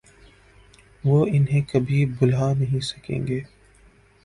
وہ انہیں کبھی بھلا نہیں سکیں گے۔